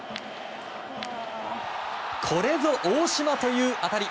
これぞ大島という当たり。